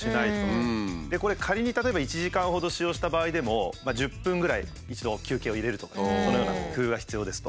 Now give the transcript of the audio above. これ仮に例えば１時間ほど使用した場合でも１０分ぐらい一度休憩を入れるとかそのような工夫が必要ですと。